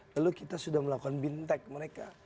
lalu kita sudah melakukan bintek mereka